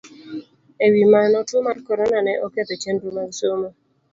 E wi mano, tuwo mar Corona ne oketho chenro mag somo